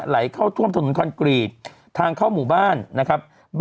ไหลเข้าท่วมถนนคอนกรีตทางเข้าหมู่บ้านนะครับ